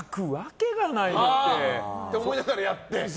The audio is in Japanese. って思いながらやって。